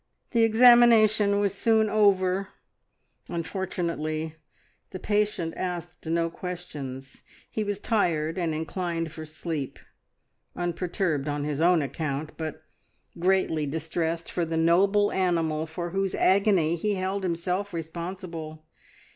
The examination was soon over, and fortunately the patient asked no questions; he was tired and inclined for sleep, unperturbed on his own account, but greatly distressed for the noble animal for whose agony he held himself responsible.